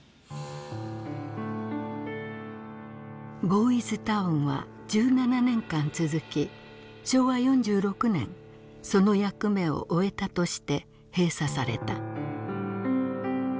ボーイズ・タウンは１７年間続き昭和４６年その役目を終えたとして閉鎖された。